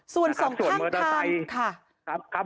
ส่วน๒ข้างคัน